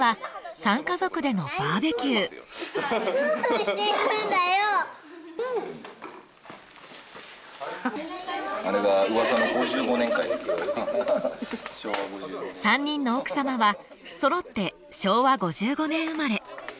３人の奥様はそろって昭和５５年生まれ。